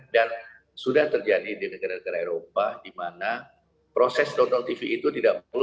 dan sudah terjadi di negara negara eropa di mana proses tonton tv itu tidak perlu